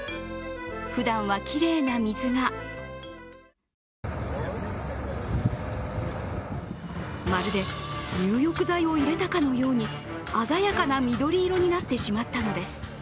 ふだんはきれいな水がまるで入浴剤を入れたかのように鮮やかな緑色になってしまったのです。